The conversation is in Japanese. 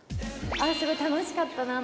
「ああすごい楽しかったな。